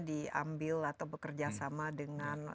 diambil atau bekerja sama dengan